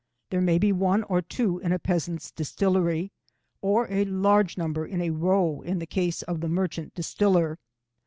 There may be one or two in a peasant’s distillery, or a large number in a row in the case of the merchant distiller.